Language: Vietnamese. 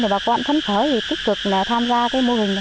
thì bà con thân khởi thì tích cực là tham gia cái mô hình